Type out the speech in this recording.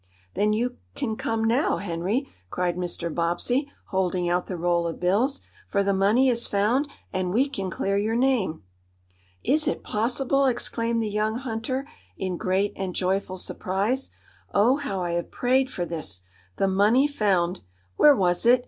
"Then you can come now, Henry," cried Mr. Bobbsey, holding out the roll of bills. "For the money is found and we can clear your name!" "Is it possible!" exclaimed the young hunter, in great and joyful surprise. "Oh, how I have prayed for this! The money found! Where was it?